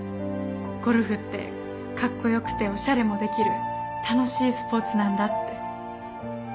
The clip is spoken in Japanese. ゴルフってカッコ良くておしゃれもできる楽しいスポーツなんだって。